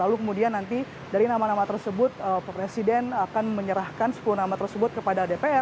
lalu kemudian nanti dari nama nama tersebut presiden akan menyerahkan sepuluh nama tersebut kepada dpr